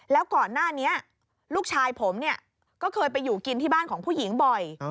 แล้วก่อนหน้านี้ลูกชายผมเนี่ยก็เคยไปอยู่กินที่บ้านของผู้หญิงบ่อย